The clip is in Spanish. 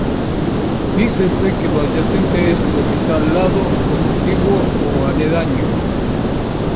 Dícese que lo adyacente es lo que está al lado, lo contiguo o aledaño.